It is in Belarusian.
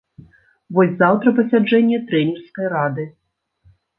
Вось заўтра пасяджэнне трэнерскай рады.